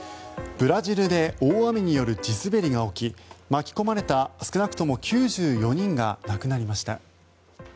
ブラジルで大雨による地滑りが起き巻き込まれた少なくとも９４人が亡くなりました。